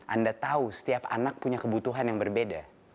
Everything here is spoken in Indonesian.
anda tahu setiap anak punya kebutuhan yang berbeda